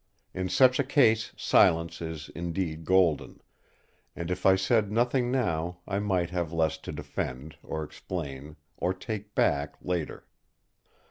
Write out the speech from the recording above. In such a case silence is indeed golden; and if I said nothing now I might have less to defend, or explain, or take back later.